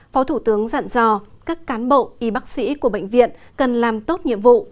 phó thủ tướng dặn dò các cán bộ y bác sĩ của bệnh viện cần làm tốt nhiệm vụ